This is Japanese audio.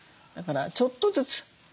だからちょっとずつ。